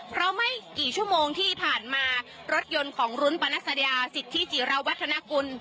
เพราะไม่กี่ชั่วโมงที่ผ่านมารถยนต์ของรุ้นปนัสยาสิทธิจิราวัฒนากุล